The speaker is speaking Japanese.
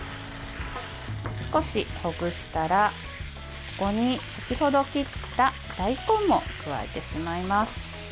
少しほぐしたらここに先程切った大根も加えてしまいます。